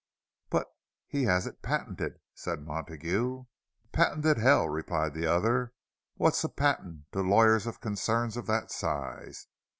"But he has it patented," said Montague. "Patented hell!" replied the other. "What's a patent to lawyers of concerns of that size?